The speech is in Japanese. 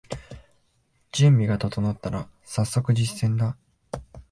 準備が整ったらさっそく実践だ